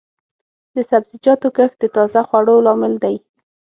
د سبزیجاتو کښت د تازه خوړو لامل دی.